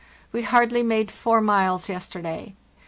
We hardly made 4 miles yesterday.